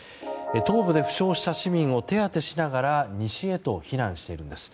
東部で負傷した市民を手当てしながら西へと避難しているんです。